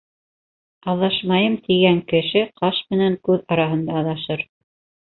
«Аҙашмайым» тигән кеше ҡаш менән күҙ араһында аҙашыр.